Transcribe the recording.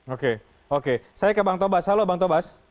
oke oke saya ke bang tobas halo bang tobas